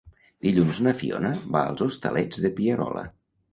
Dilluns na Fiona va als Hostalets de Pierola.